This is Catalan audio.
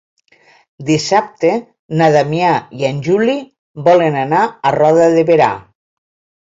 Dissabte na Damià i en Juli volen anar a Roda de Berà.